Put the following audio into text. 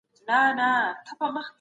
چي څه ليکم ، د محمد پکښي خبره راسي